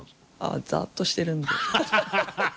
ああザッとしてるんで。